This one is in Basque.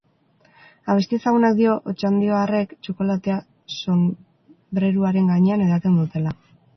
Abesti ezagunak dio, otxandioarrek txokolatea sonbreruaren gainean edaten dutela.